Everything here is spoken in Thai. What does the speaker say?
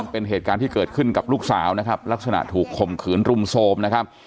เป็นเหตุการณ์ที่เกิดขึ้นกับลูกสาวนะครับลักษณะถูกข่มขืนรุมโทรมนะครับ